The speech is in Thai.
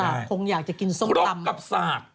แต่ครบกับสากคงอยากจะกินส้มตำ